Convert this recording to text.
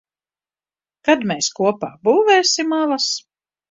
Kad mēs kopā būvēsim alas?